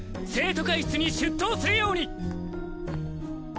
生徒会室に出頭するように！！